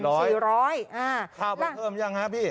ข้าวไปเพิ่มยังฮะพี่